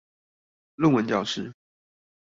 論文教室